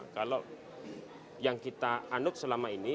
kalau yang kita anut selama ini